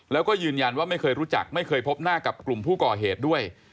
แล้วก็ยืนยันว่าไม่เคยรู้จักไม่เคยพบหน้ากับกลุ่มผู้ก่อเหตุด้วย